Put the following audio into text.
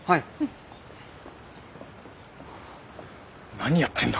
何やってんだ？